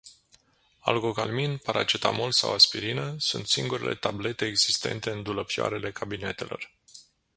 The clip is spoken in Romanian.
Algocalmin, paracetamol sau aspirină sunt singurele tablete existente în dulăpioarele cabinetelor.